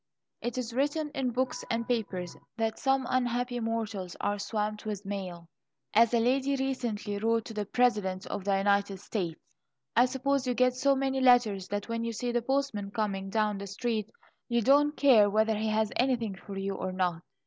It is written in books and papers that some unhappy mortals are swamped with mail. As a lady recently wrote to the President of the United States: "I suppose you get so many letters that when you see the postman coming down the street, you don't care whether he has anything for you or not."